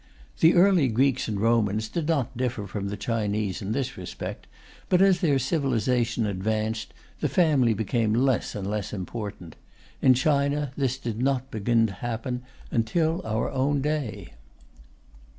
The early Greeks and Romans did not differ from the Chinese in this respect, but as their civilization advanced the family became less and less important. In China, this did not begin to happen until our own day.